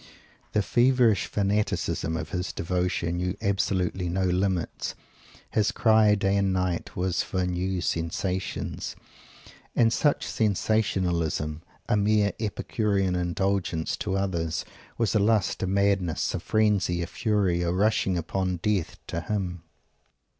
The feverish fanaticism of his devotion knew absolutely no limits. His cry day and night was for "new sensations"; and such "sensation," a mere epicurean indulgence to others, was a lust, a madness, a frenzy, a fury, a rushing upon death, to him.